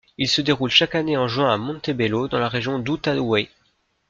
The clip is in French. Il se déroule chaque année en juin à Montebello dans la région d'Outaouais.